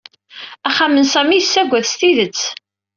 Axxam n Sami yessaggad s tidet.